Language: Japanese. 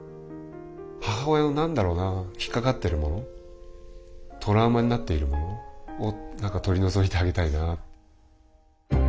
母親の何だろうな引っ掛かってるものトラウマになっているものを何か取り除いてあげたいな。